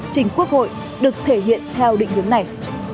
trình quốc hội được thể hiện theo định hướng này